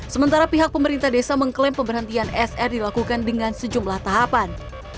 sementara pihak pemerintah desa mengklaim pemberhentian sr dilakukan dengan sejumlah tahapan